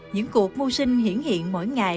những cuộc mua sinh hiện hiện mỗi ngày